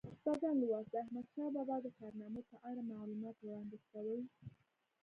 شپږم لوست د احمدشاه بابا د کارنامو په اړه معلومات وړاندې کوي.